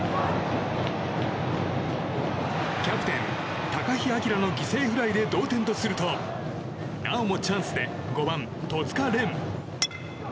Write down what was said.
キャプテン高陽章の犠牲フライで同点とするとなおもチャンスで５番、戸塚廉。